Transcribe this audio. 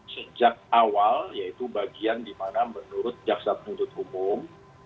sejak awal yaitu bagian dimana menurut jaksa penuntut umum